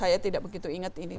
saya tidak begitu ingat ini